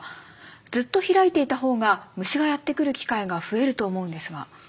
ずっと開いていた方が虫がやって来る機会が増えると思うんですが。